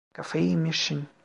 Kafayı yemişsin!